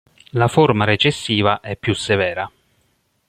La forma recessiva è più severa.